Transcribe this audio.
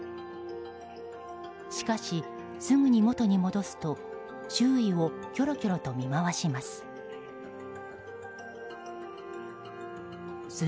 しかし、すぐに元に戻すと周囲をきょろきょろと見回します。